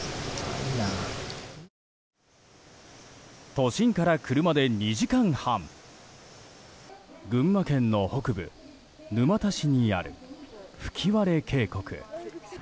都心から車で２時間半群馬県の北部、沼田市にある吹割渓谷。